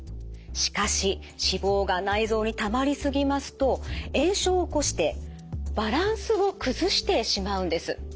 しかし脂肪が内臓にたまりすぎますと炎症を起こしてバランスを崩してしまうんです。